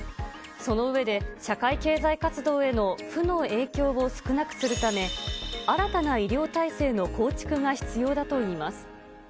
その上で、社会経済活動への負の影響を少なくするため、新たな医療体制の構築が必要だといいます。